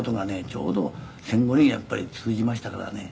ちょうど戦後にやっぱり通じましたからね」